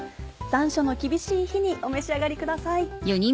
残暑の厳しい日にお召し上がりください。